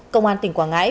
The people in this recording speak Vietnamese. công an tỉnh quảng ngãi